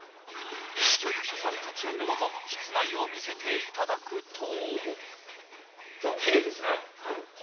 所有者さん立ち合いのもと室内を見せていただくと。